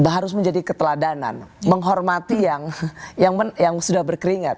harus menjadi keteladanan menghormati yang sudah berkeringat